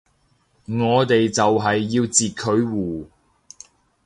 我哋就係要截佢糊